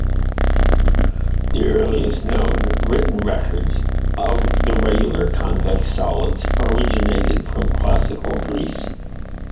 The earliest known "written" records of the regular convex solids originated from Classical Greece.